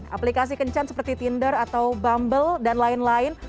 aplikasi kencan seperti tinder atau bumble dan lain lain